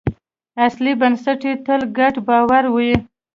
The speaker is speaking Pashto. اصلي بنسټ یې تل ګډ باور وي.